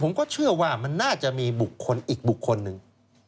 ผมก็เชื่อว่ามันน่าจะมีบุคคลอีกบุคคลหนึ่ง